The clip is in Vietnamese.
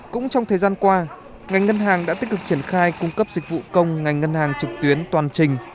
cũng trong thời gian qua ngành ngân hàng đã tích cực triển khai cung cấp dịch vụ công ngành ngân hàng trực tuyến toàn trình